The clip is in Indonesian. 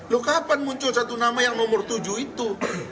loh kapan muncul satu nama yang nomor tujuh itu